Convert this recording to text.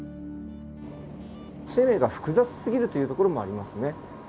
生命が複雑すぎるというところもありますね。